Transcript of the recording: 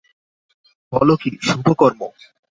বল কী, শুভকর্ম!